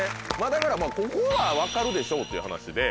だからここは分かるでしょうっていう話で。